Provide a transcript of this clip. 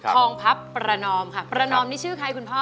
งพับประนอมค่ะประนอมนี่ชื่อใครคุณพ่อ